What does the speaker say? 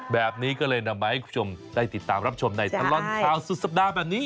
แบบนี้ก็เลยนำมาให้คุณผู้ชมได้ติดตามรับชมในตลอดข่าวสุดสัปดาห์แบบนี้